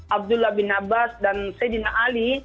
abdullah bin abbas dan saidina ali